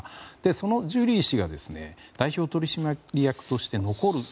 そのジュリー氏が代表取締役として残ると。